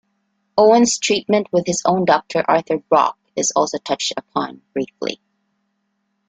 Owen's treatment with his own doctor, Arthur Brock, is also touched upon briefly.